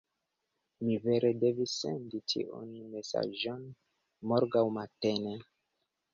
Mi vere devis sendi tiun mesaĝon morgaŭ matene.